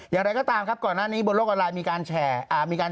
อย่างไรก็ตามครับก่อนหน้านี้บนโลกออนไลน์มีการแชร์มีการ